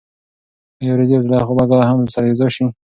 ایا رېدی او زلیخا به کله هم سره یوځای شي؟